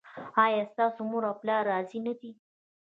ایا ستاسو مور او پلار راضي نه دي؟